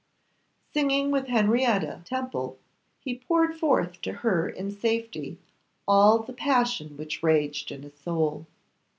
Singing with Henrietta Temple, he poured forth to her in safety all the passion which raged in his soul.